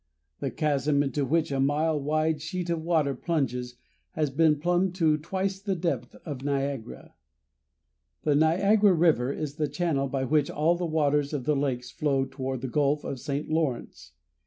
The chasm into which a mile wide sheet of water plunges has been plumbed to twice the depth of Niagara. The Niagara River is the channel by which all the waters of the lakes flow toward the Gulf of St. Lawrence.